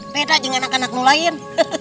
beda dengan anak anakmu lain